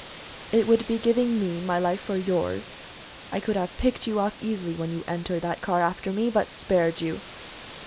"It would be giving me my life for yours. I could have picked you off easily when you entered that car after me, but spared you."